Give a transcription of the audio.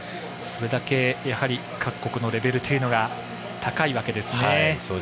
それだけ各国のレベルというのが高いわけですね。